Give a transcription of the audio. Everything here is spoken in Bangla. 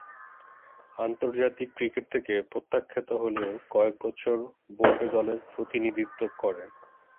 আন্তর্জাতিক ক্রিকেট থেকে প্রত্যাখ্যাত হলেও কয়েক বছর বোম্বে দলের প্রতিনিধিত্ব করেন।